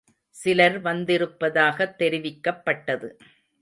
சிலர் வந்திருப்பதாகத் தெரிவிக்கப்பட்டது.